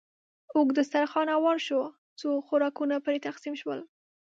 اوږد دسترخوان هوار شو، څو خوراکونه پرې تقسیم شول.